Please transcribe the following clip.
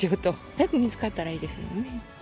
早く見つかったらいいですよね。